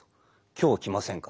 「今日来ませんか」。